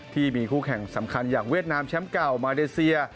ที่มีคู่แข่งสำคัญอย่างเวียดนามแชมป์เก่ามาเลเซีย